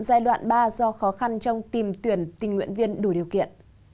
giai đoạn ba do khó khăn trong tìm tuyển tình nguyện viên đủ điều kiện